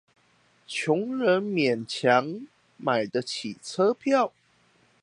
窮人勉強買得起車票